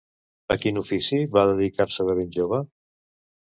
A quin ofici va dedicar-se de ben jove?